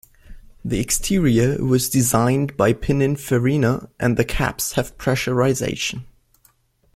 The exterior was designed by Pininfarina and the cabs have pressurization.